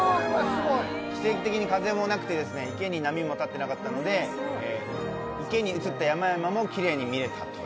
奇跡的に風もなく池に波も立ってなかったので池に映った山々もきれいに見えたと。